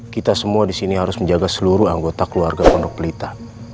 kita semua di sini harus menjaga seluruh anggota keluarga pondok pelita